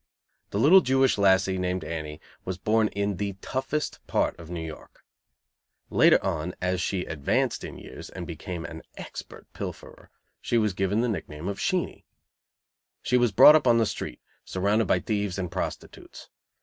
The little Jewish lassie, named Annie, was born in the toughest part of New York. Later on, as she advanced in years and became an expert pilferer, she was given the nickname of "Sheenie." She was brought up on the street, surrounded by thieves and prostitutes.